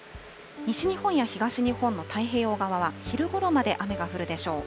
西日本や東日本の太平洋側は、昼ごろまで雨が降るでしょう。